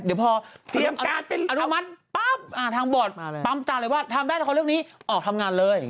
เดี๋ยวพออนุมัติป๊าบอาทางบอร์ดปั๊มตามได้แต่เขาเรียกว่าออกทำงานเลย